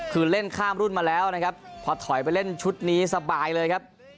คือเล่นข้ามรุ่นมาแล้วนะครับพอถอยไปเล่นชุดนี้สบายเลยครับ